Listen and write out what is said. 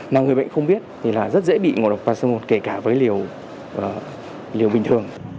nào người bệnh không biết thì là rất dễ bị ngộ độc paracetamol kể cả với liều bình thường